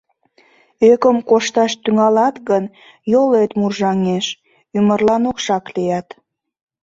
Ӧкым кошташ тӱҥалат гын, йолет муржаҥеш, ӱмырлан окшак лият.